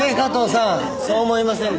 そう思いませんか？